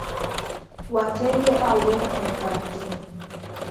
Watenge au weka kwenye karantini